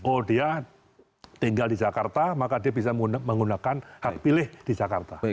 oh dia tinggal di jakarta maka dia bisa menggunakan hak pilih di jakarta